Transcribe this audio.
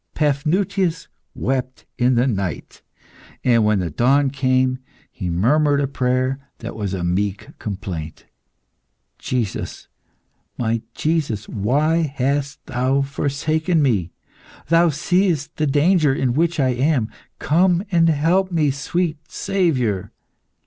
Paphnutius wept in the night, and when the dawn came, he murmured a prayer that was a meek complaint "Jesus, my Jesus, why hast Thou forsaken me! Thou seest the danger in which I am. Come, and help me, sweet Saviour.